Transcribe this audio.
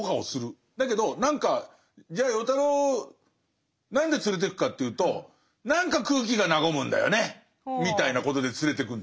だけど何かじゃあ与太郎何で連れてくかというと何か空気が和むんだよねみたいなことで連れてくんですね。